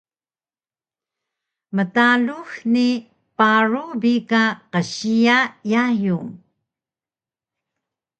Mtalux ni paru bi ka qsiya yayung